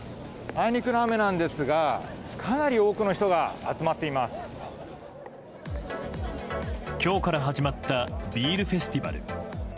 あいにくの雨なんですがかなり多くの人が今日から始まったビールフェスティバル。